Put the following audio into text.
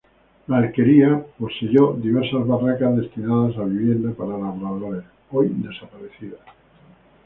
La alquería poseyó diversas barracas destinadas a vivienda para labradores; hoy desaparecidas.